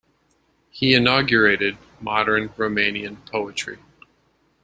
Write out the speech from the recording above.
He inaugurated modern Romanian poetry.